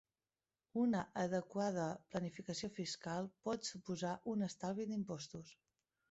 Una adequada planificació fiscal pot suposar un estalvi d'impostos.